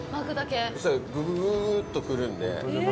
そしたら、ぐぐぐっと来るんで。